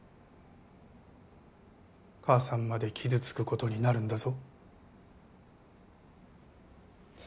母さんまで傷つくことになるんだぞ